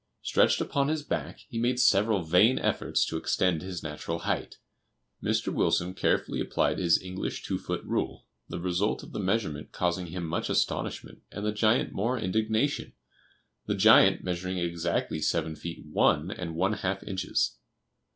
Stretched upon his back, he made several vain efforts to extend his natural height. Mr. Wilson carefully applied his English two foot rule, the result of the measurement causing him much astonishment and the giant more indignation, the giant measuring exactly seven feet one and one half inches.